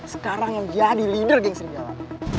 sekarang yang jadi leader geng serigala